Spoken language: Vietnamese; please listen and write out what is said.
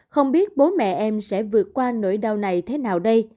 không biết bố mẹ em sẽ vượt qua nỗi đau này thế nào đây